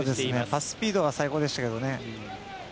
パススピードは最高でしたけどね。